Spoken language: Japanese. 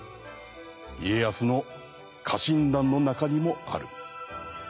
家康の家臣団の中にもある。